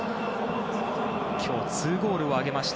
今日２ゴールを挙げました